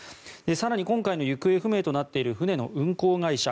更に今回の行方不明となっている船の運航会社